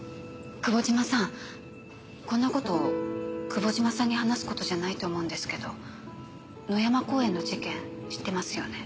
久保島さんこんなこと久保島さんに話すことじゃないと思うんですけど野山公園の事件知ってますよね？